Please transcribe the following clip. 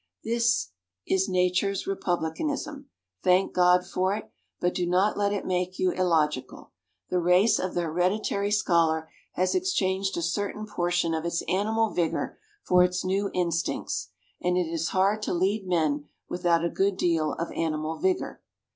That is Nature's republicanism; thank God for it, but do not let it make you illogical. The race of the hereditary scholar has exchanged a certain portion of its animal vigor for its new instincts, and it is hard to lead men without a good deal of animal vigor.